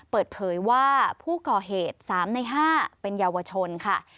เปิดเผยว่าผู้ก่อเหตุ๓ใน๕เป็นเยาวชนค่ะ